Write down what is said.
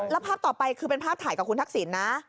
แล้วภาพต่อไปคือเป็นภาพถ่ายกับคุณทักษิณนะ